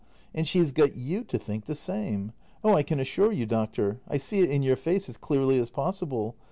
And she has got you to think the same! Oh, I can assure you, doctor, I see it in your face as clearly as possible.